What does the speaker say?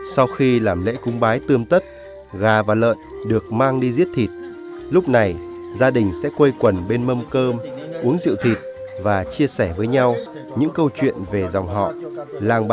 sau khi làm lễ cúng bái tương tự người mông sẽ gọi thần mặt trời dậy để trời đất thoát khỏi cảnh tối tăm